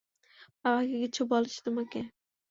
বাবা কি কিছু বলেছে তোমাকে?